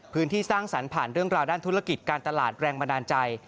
สร้างสรรค์ผ่านเรื่องราวด้านธุรกิจการตลาดแรงบันดาลใจ